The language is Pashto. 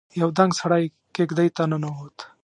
يو دنګ سړی کېږدۍ ته ننوت.